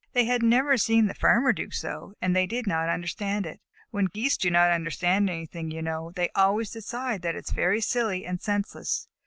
They had never seen the Farmer do so, and they did not understand it. When Geese do not understand anything, you know, they always decide that it is very silly and senseless.